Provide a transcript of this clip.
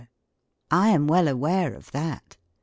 I am well aware of that.